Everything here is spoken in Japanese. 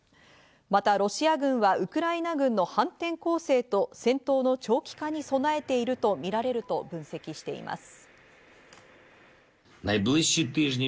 またロシア軍はウクライナ軍の反転攻勢と戦闘の長期化に備えているとみられると分析しています。